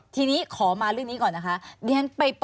ทีนี้ขอมาเรื่องนี้ก่อนนะคะ